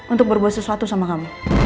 untuk berbuat sesuatu sama kamu